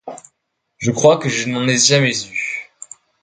Je crois que je n'en ai jamais eu.